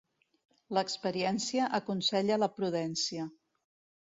L'experiència aconsella la prudència.